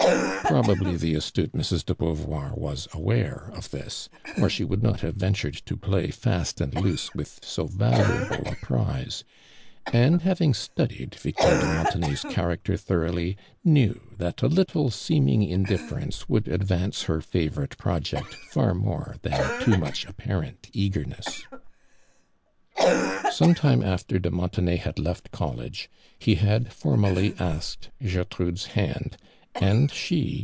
"' Prolmbly the astute Mrs. de Beauvoir was flwaie of this, or slie would not have ventur ed to play i\\M an<l loos<> with so valuable a prize; and Imving studied Victor de Mon tenay's character thoroughly, knew that a little seeming indifference wouUl advance lier favorite pi qject far more than too much apparent eagerness. Some time aftei' do Montenay had left College, he had I'ormally askeil (lertrutle's li<ind, and she.